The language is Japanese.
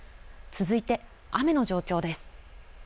続いて雨の状況です。